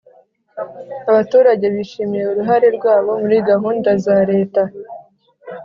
Abaturage bishimiye uruhare rwabo muri gahunda za Leta.